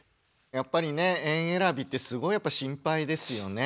やっぱりね園えらびってすごいやっぱ心配ですよね。